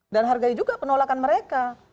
dan hargai juga penolakan mereka